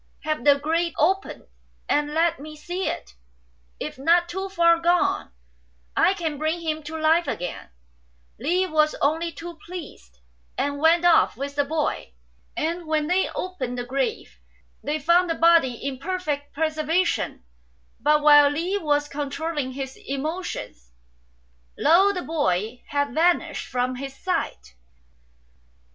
Have the grave opened, and let me see it ; if not too far gone, I can bring him to life again," Li was only too pleased, and went off with the boy ; and when they opened the grave they found the body in perfect preservation ; but while Li was controlling his emotions, lo ! the boy had vanished from his sight.